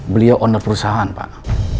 beliau owner perusahaan pak